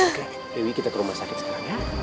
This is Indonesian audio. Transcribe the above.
oke wiwi kita ke rumah sakit sekarang ya